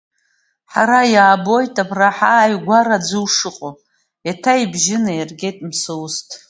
Ҳара иаабоит абра ҳааигәарааӡәы ушыҟоу, еиҭа ибжьы наиргеит Мсоусҭ.